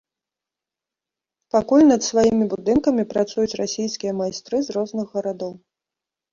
Пакуль над сваімі будынкамі працуюць расійскія майстры з розных гарадоў.